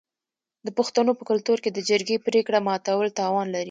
د پښتنو په کلتور کې د جرګې پریکړه ماتول تاوان لري.